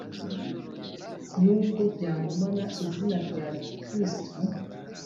nubwo byagumana izina rya Kristu